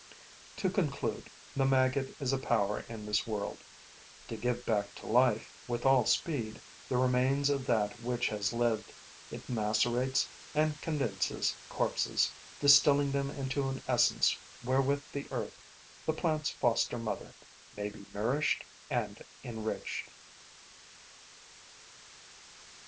To conclude: the maggot is a power in this world. To give back to life, with all speed, the remains of that which has lived, it macerates and condenses corpses, distilling them into an essence wherewith the earth, the plant's foster mother, may be nourished and enriched.